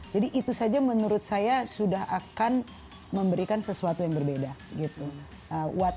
jadi itu saja menurut saya sudah akan memberikan sesuatu yang berbeda gitu